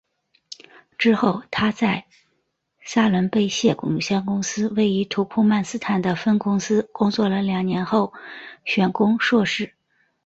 之后她在斯伦贝谢有限公司位于土库曼斯坦的分公司工作了两年后选攻硕士。